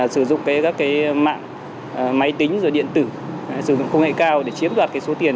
sử dụng các mạng máy tính rồi điện tử sử dụng công nghệ cao để chiếm đoạt số tiền